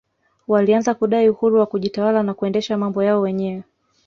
walianza kudai uhuru wa kujitawala na kuendesha mambo yao wenyewe